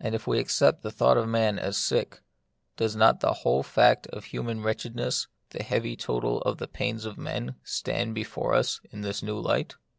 And if we accept the thought of man as sick, does not the whole fact of human wretch edness, the heavy total of the pains of men, stand before us in this new light